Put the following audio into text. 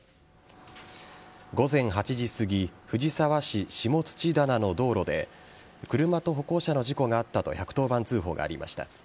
午前８時すぎ藤沢市下土棚の道路で車と歩行者の事故があったと１１０番通報がありました。